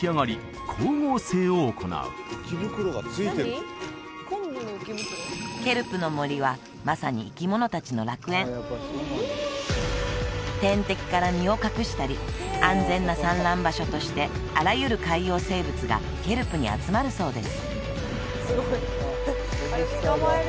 その浮力でケルプの森はまさに天敵から身を隠したり安全な産卵場所としてあらゆる海洋生物がケルプに集まるそうです